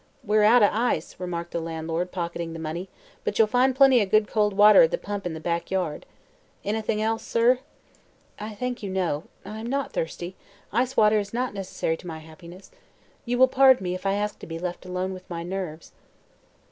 "We're out o' ice," remarked the landlord, pocketing the money, "but ye'll find plenty of good cold water at the pump in the back yard. Anything else, sir?" "I thank you, no. I am not thirsty. Ice water is not necessary to my happiness. You will pardon me if I ask to be left alone with my nerves."